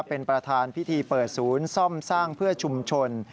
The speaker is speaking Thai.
เป็นประธานพิธีเปิดศูนย์ซ่อมสร้างเพื่อชุมชน